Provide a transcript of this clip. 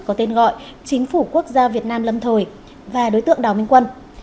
có tên gọi chính phủ quốc gia việt nam lâm thời và đối tượng đào minh quân